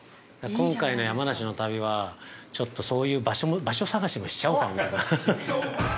今回の山梨の旅は、ちょっとそういう場所探しもしちゃおうかなと。